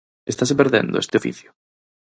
Estase perdendo este oficio?